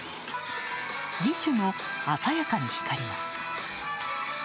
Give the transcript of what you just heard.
義手も鮮やかに光ります。